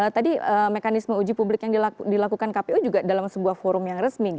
tadi mekanisme uji publik yang dilakukan kpu juga dalam sebuah forum yang resmi